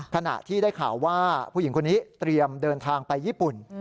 ขณะที่ได้ข่าวว่าผู้หญิงคนนี้เตรียมเดินทางไปญี่ปุ่น